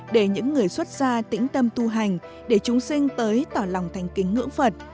để những người xuất ra tĩnh tâm tu hành để chúng sinh tới tỏ lòng thành kính ngưỡng phật